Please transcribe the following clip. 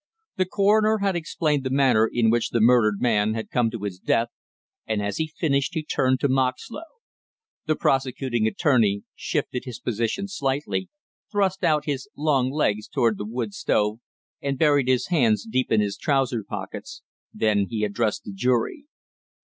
The coroner had explained the manner in which the murdered man had come to his death, and as he finished he turned to Moxlow. The prosecuting attorney shifted his position slightly, thrust out his long legs toward the wood stove, and buried his hands deep in his trousers pockets, then he addressed the jury.